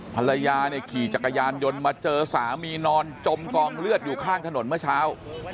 ภรรยาเนี่ยขี่จักรยานยนต์มาเจอสามีนอนจมกองเลือดอยู่ข้างถนนเมื่อเช้า